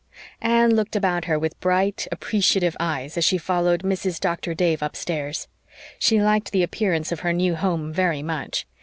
Anne looked about her with bright, appreciative eyes as she followed Mrs. Doctor Dave upstairs. She liked the appearance of her new home very much.